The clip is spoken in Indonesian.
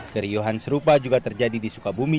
keriuhan serupa juga terjadi di sukabumi